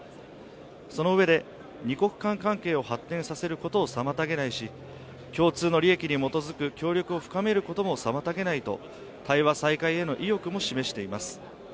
そのうえで二国間関係を発展することを妨げないし、共通の利益に基づく協力を深めることも妨げないと、対話再開への意欲も示しています。